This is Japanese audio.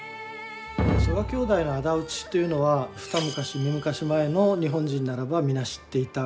曽我兄弟の仇討ちというのは二昔三昔前の日本人ならば皆知っていた。